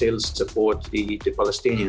dan masih mendukung orang orang palestina